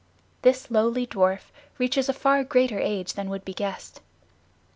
This lowly dwarf reaches a far greater age than would be guessed.